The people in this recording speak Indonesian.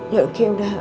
ya oke udah